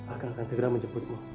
akang akan segera menjemputmu